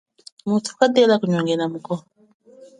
Mutu katela kunyongena ako.